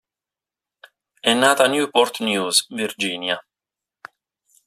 È nata a Newport News, Virginia.